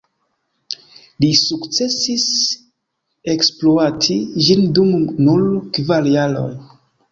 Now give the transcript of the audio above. Li sukcesis ekspluati ĝin dum nur kvar jaroj.